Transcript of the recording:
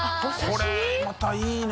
これまたいいね。